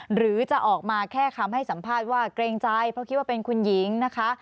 หรือจะออกมาแค่คำให้สัมภาษณ์ว่าเกรงใจเพราะคิดว่าเป็นคุณหญิงนะคะ